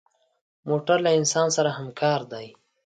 موټر له انسان سره همکار دی.